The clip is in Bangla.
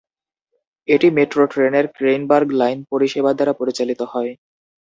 এটি মেট্রো ট্রেনের ক্রেইগবার্ন লাইন পরিষেবা দ্বারা পরিচালিত হয়।